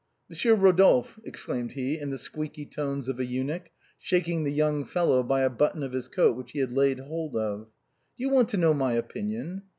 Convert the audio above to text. " Monsieur Rodolphe," exclaimed he, in the squeaky tones of a eunuch, shaking the young fellow by a button of his coat which he had laid hold of. " Do you want to know my opinion?